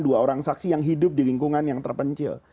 dua orang saksi yang hidup di lingkungan yang terpencil